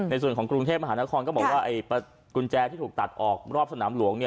ในส่วนของกรุงเทพมหานครก็บอกว่ากุญแจที่ถูกตัดออกรอบสนามหลวง